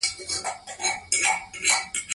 هغه نظام چې ولس پکې ځان نه ویني دوام نه کوي